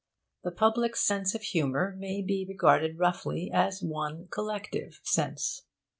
The public's sense of humour may be regarded roughly as one collective sense.